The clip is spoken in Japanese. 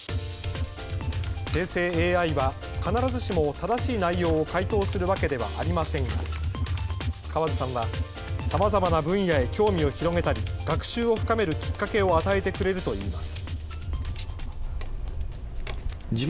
生成ＡＩは必ずしも正しい内容を回答するわけではありませんが河津さんはさまざまな分野へ興味を広げたり、学習を深めるきっかけを与えてくれるといいます。